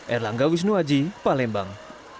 erlangga wisnuaji palembang